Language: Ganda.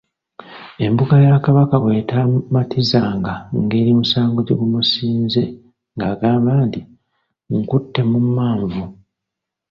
"Embuga ya Kabaka bw’etaamumatizanga ngeri musango gye gumusinze ng’agamba nti, “nkutte mu mmanvu.” "